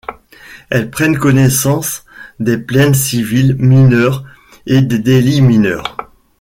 Elles prennent connaissance des plaintes civiles mineures et des délits mineurs.